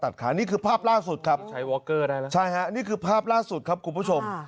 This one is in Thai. ใช่ครับนี่คือภาพล่าสุดครับคุณผู้ชม